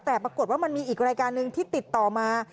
แต่ปรากฏว่ามันมีอีกรายการหนึ่งที่ติดต่อมา